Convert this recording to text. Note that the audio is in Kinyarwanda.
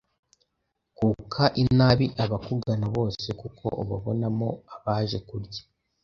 Kuka inabi abakugana bose kuko ubabonamo abaje kurya